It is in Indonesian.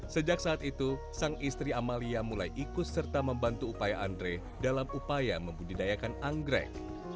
sejak saat itu sang istri amalia mulai ikut serta membantu upaya andre dalam upaya membudidayakan anggrek